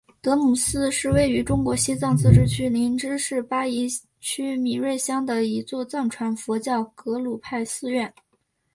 德木寺是位于中国西藏自治区林芝市巴宜区米瑞乡的一座藏传佛教格鲁派寺院。